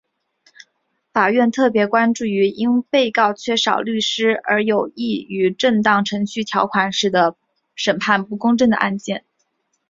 法院特别专注于因为被告缺少律师而有异于正当程序条款使得审判不公正的案件。